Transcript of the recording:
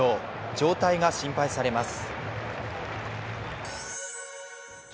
状態が心配されます。